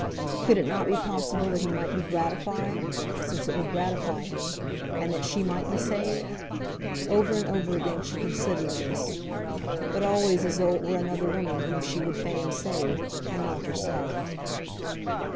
Could it not be possible that he might be gratified, since it would gratify him, and that she might be saved! Over and over again she considered this, but always as though it were another woman whom she would fain save, and not herself.